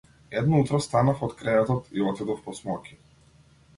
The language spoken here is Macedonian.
Едно утро станав од креветот и отидов по смоки.